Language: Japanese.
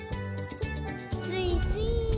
スイスイ。